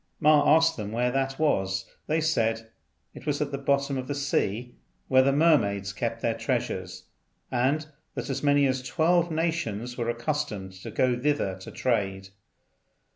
Ma asked them where that was. They said it was at the bottom of the sea, where the mermaids kept their treasures, and that as many as twelve nations were accustomed to go thither to trade.